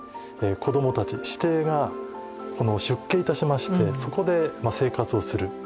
子どもたち子弟が出家いたしましてそこで生活をする。